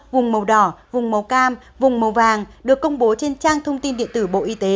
vùng màu đỏ vùng màu cam vùng màu vàng được công bố trên trang thông tin điện tử bộ y tế